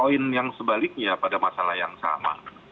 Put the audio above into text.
oke nah di sisi koin yang sebaliknya pada masalah yang sama